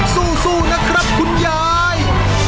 สู้นะครับคุณยาย